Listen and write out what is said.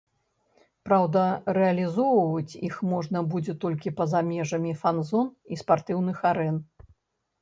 Праўда, рэалізоўваць іх можна будзе толькі па-за межамі фан-зон і спартыўных арэн.